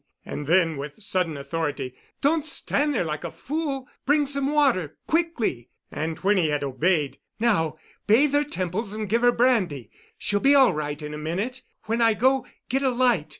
And then, with sudden authority: "Don't stand there like a fool. Bring some water—quickly," and when he had obeyed: "Now bathe her temples and give her brandy. She'll be all right in a minute. When I go, get a light.